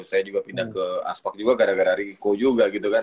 saya juga pindah ke aspak juga gara gara richo juga gitu kan